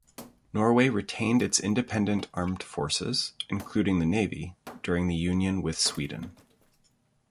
Norway retained its independent armed forces, including the navy, during the union with Sweden.